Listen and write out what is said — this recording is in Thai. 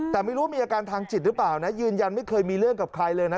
แต่ไม่รู้ว่ามีอาการทางจิตหรือเปล่านะยืนยันไม่เคยมีเรื่องกับใครเลยนะ